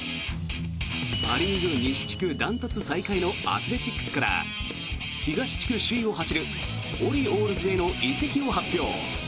ア・リーグ西地区断トツ最下位のアスレチックスから東地区首位を走るオリオールズへの移籍を発表。